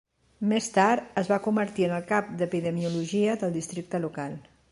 Més tard es va convertir en el cap d'Epidemiologia del districte local.